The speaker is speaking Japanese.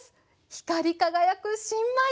光り輝く新米！